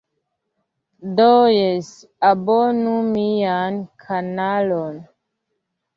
Do, jes, abonu mian kanalon.